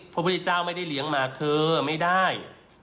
พระพุทธเจ้าไม่ได้เลี้ยงมาเธอไม่ได้